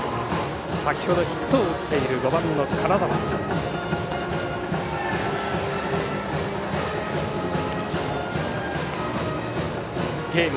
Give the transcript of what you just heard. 先ほどヒットを打っている５番の金沢がバッター。